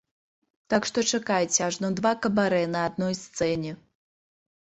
Так што чакайце ажно два кабарэ на адной сцэне!